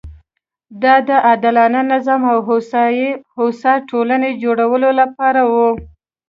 دا د عادلانه نظام او هوسا ټولنې جوړولو لپاره وه.